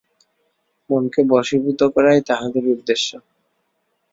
মনকে বশীভূত করাই তাহাদের উদ্দেশ্য।